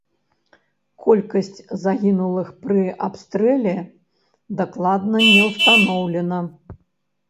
Колькасць загінулых пры абстрэле дакладна не ўстаноўлена.